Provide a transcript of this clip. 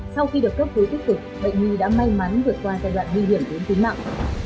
sau khi được cấp cứu kích cực bệnh vi đã may mắn vượt qua giai đoạn vi hiểm đến tính mạng